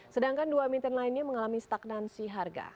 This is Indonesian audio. sedangkan dua emiten lainnya mengalami stagnansi harga